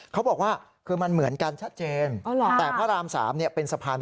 เขาบอกว่าคือมันเหมือนกันชัดเจนแต่พระราม๓เป็นสะพาน